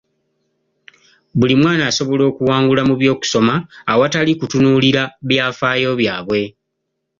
Buli mwana asobola okuwangula mu by'okusoma awatali kutunuulira byafaayo byabwe.